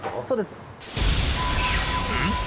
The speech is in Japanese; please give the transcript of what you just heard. そうです。